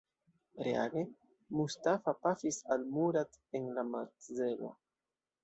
Reage, Mustafa pafis al Murat en la makzelo.